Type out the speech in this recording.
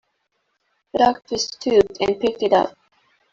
The Doctor stooped and picked it up.